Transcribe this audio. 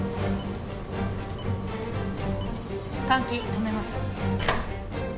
換気止めます。